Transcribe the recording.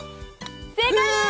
正解でーす！